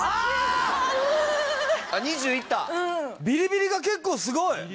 ビリビリが結構すごい。